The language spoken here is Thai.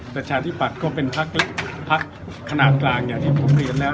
ประชาธิปัตย์ก็เป็นภักดิ์ขณะกลางอย่างที่ผมเรียนแล้ว